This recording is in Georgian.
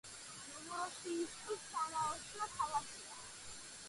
ნოვოროსიისკი სანაოსნო ქალაქია.